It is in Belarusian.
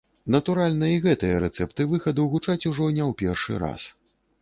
Натуральна, і гэтыя рэцэпты выхаду гучаць ужо не ў першы раз.